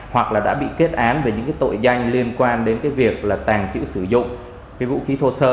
hoặc đã bị kết án về những tội danh liên quan đến việc tàn trữ sử dụng vũ khí thô sơ